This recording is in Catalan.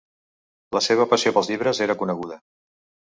La seva passió pels llibres era coneguda.